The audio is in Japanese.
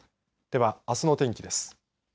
では、あすの天気です。